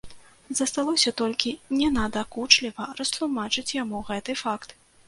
Засталося толькі ненадакучліва растлумачыць яму гэты факт.